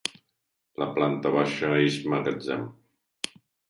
La planta baixa és magatzem.